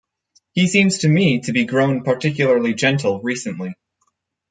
He seems to me to be grown particularly gentle recently.